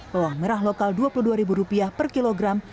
bawang merah lokal rp dua puluh dua per kilogram